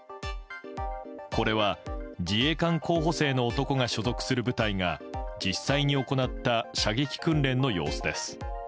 これは自衛官候補生の男が所属する部隊が実際に行った射撃訓練の様子です。